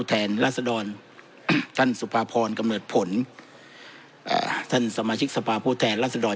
รัศดรท่านสุภาพรกำเนิดผลอ่าท่านสมาชิกสภาพผู้แทนรัศดร